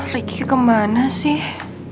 ricky kemana sih